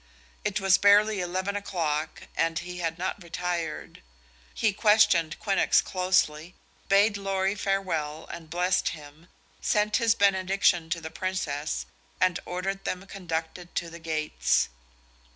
It was barely eleven o'clock and he had not retired. He questioned Quinnox closely, bade Lorry farewell and blessed him, sent his benediction to the Princess and ordered them conducted to the gates.